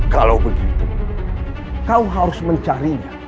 kalau begitu kau harus mencarinya